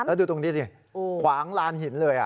แล้วดูตรงนี้สิขวางลานหินเลย